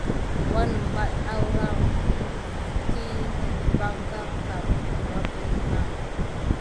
Wanəmbat awrah miyzkit dupanka kam wabé wuna.